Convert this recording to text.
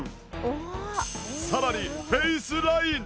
さらにフェイスライン。